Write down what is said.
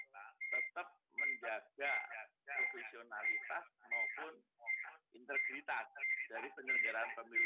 tetap menjaga profesionalitas maupun integritas dari penyelenggaraan pemilu